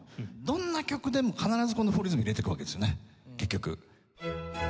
どんな曲でも必ずこの４リズムを入れていくわけですよね結局。